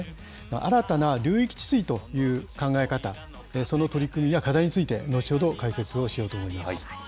新たな流域治水という考え方、その取り組みや課題について、後ほど解説をしようと思います。